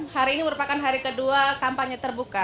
hari ini merupakan hari kedua kampanye terbuka